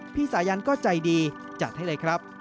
สายันก็ใจดีจัดให้เลยครับ